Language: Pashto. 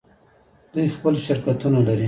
دوی خپل شرکتونه لري.